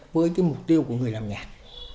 với cái mục tiêu của người làm nhạc